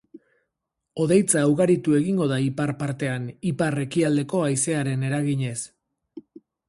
Hodeitza ugaritu egingo da ipar partean, ipar-ekialdeko haizearen eraginez.